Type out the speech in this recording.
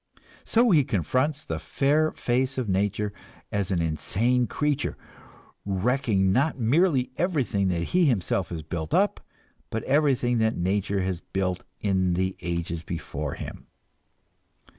So he confronts the fair face of nature as an insane creature, wrecking not merely everything that he himself has built up, but everything that nature has built in the ages before him.